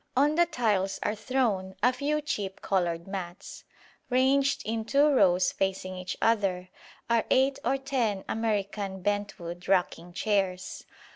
On the tiles are thrown a few cheap coloured mats. Ranged in two rows facing each other are eight or ten American bentwood rocking chairs.